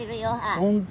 本当。